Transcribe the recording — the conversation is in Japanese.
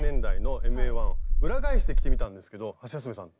裏返して着てみたんですけどハシヤスメさん